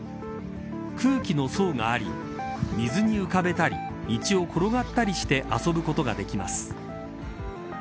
空気の層があり水に浮かべたり道を転がったりして遊ぶことができます。